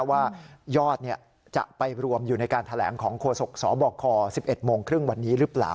ว่ายอดจะไปรวมอยู่ในการแถลงของโฆษกสบค๑๑โมงครึ่งวันนี้หรือเปล่า